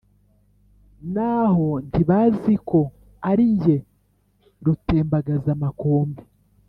naho ntibaziko ari jye rutembagazamakombe.